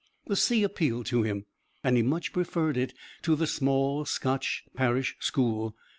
The sea appealed to him, and he much preferred it to the small Scotch parish school.